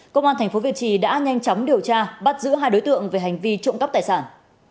công an tp việt trì đã nhanh chóng điều tra bắt giữ hai đối tượng về hành vi trộm cắp tài sản